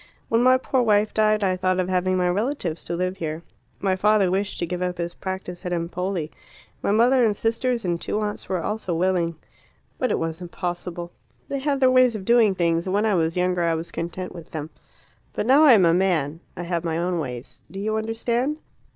"When my poor wife died I thought of having my relatives to live here. My father wished to give up his practice at Empoli; my mother and sisters and two aunts were also willing. But it was impossible. They have their ways of doing things, and when I was younger I was content with them. But now I am a man. I have my own ways. Do you understand?"